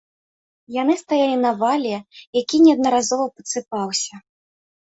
Яны стаялі на вале, які неаднаразова падсыпаўся.